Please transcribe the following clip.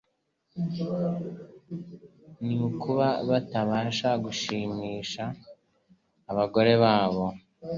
ni ukuba batabasha gushimisha abagore babo,